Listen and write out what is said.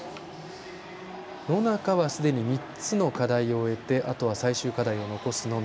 野中はすでに３つの課題を終えてあとは最終課題を残すのみ。